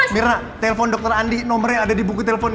mirna telepon dokter andi nomernya ada di buku telepon